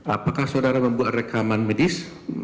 apakah saudara membuat rekaman medis